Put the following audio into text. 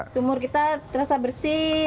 sumur kita terasa bersih